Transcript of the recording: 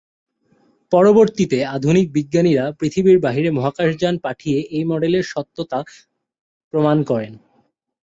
পরবর্তীতে আধুনিক বিজ্ঞানীরা পৃথিবীর বাইরে মহাকাশযান পাঠিয়ে এই মডেলের সত্যতা প্রমাণ করেন।